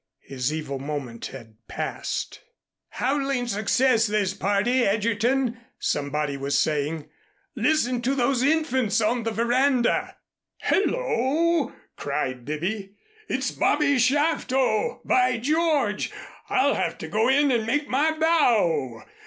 His evil moment had passed. "Howling success, this party, Egerton," somebody was saying. "Listen to those infants on the veranda." "Hello," cried Bibby. "It's Bobby Shafto, by George. I'll have to go in and make my bow.